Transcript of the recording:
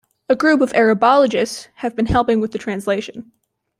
A group of Arabologists have been helping with the translation.